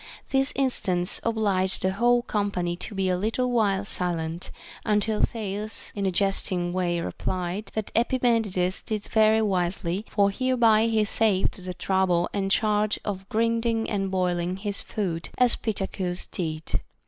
This instance obliged the whole company to be a little while silent, until Thales in a jesting way replied, that Epimen ides did very wisely, for hereby he saved the trouble and charge of grinding and boiling his food, as Pittacus did.